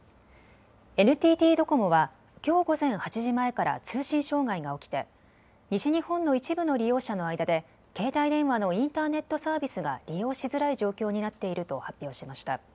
ＮＴＴドコモはきょう午前８時前から通信障害が起きて西日本の一部の利用者の間で携帯電話のインターネットサービスが利用しづらい状況になっていると発表しました。